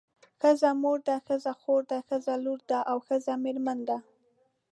ښځه مور ده ښځه خور ده ښځه لور ده او ښځه میرمن ده.